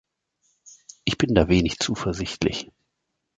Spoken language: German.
Ich bin da wenig zuversichtlich.